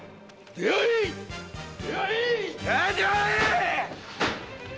出会え出会え！